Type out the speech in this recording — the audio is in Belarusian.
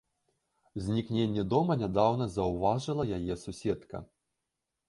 Знікненне дома нядаўна заўважыла яе суседка.